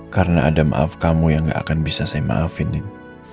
karena ada maaf kamu yang gak akan bisa saya maafin nin